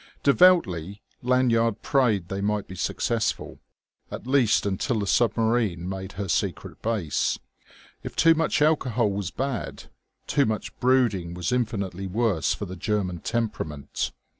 Devoutly Lanyard prayed they might be successful, at least until the submarine made her secret base. If too much alcohol was bad, too much brooding was infinitely worse for the German temperament.